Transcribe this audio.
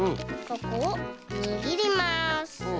ここをにぎります。